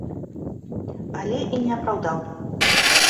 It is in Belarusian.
Але і не апраўдаў.